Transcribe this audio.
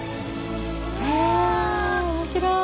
へえ面白い。